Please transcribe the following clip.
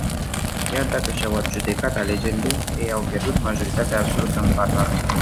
Chiar dacă și-au adjudecat alegerile, ei au pierdut majoritatea absolută în Parlament.